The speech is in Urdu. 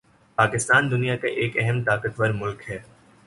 پاکستان دنیا کا ایک اہم طاقتور ملک ہے